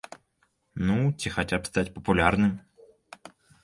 Ну ці хаця б стаць папулярным?